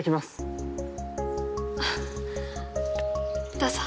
どうぞ。